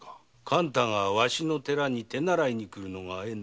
勘太がわしの寺に手習いに来るのが縁でな。